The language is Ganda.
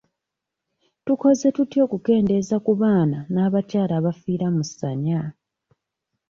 Tukoze tutya okukendeeza ku baana n'abakyala abafiira mu ssanya?